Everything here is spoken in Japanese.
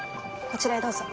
こちらへどうぞ。